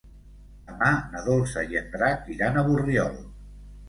Demà na Dolça i en Drac iran a Borriol.